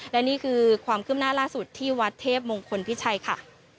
และนี่คือความคืบหน้าล่าสุดที่วัดเทพมงคลพิชัยค่ะ